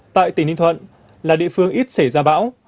tại tỉnh ninh thuận là địa phương ít xảy ra bão